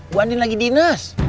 bu andin lagi dine